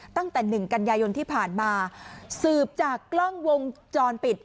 ตั้งแต่หนึ่งกันยายนที่ผ่านมาสืบจากกล้องวงจรปิด